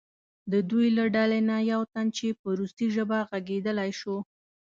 د دوی له ډلې نه یو تن چې په روسي ژبه غږېدلی شو.